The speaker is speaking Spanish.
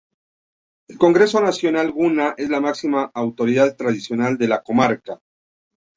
El Congreso Nacional Guna, es la máxima autoridad tradicional de la comarca.